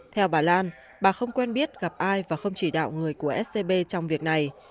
theo bà lan bà không quen biết gặp ai và không chỉ đạo người của scb trong việc này